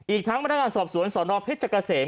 อีกทั้งประธานการณ์สอบสวนสอนรพฤษกเกษม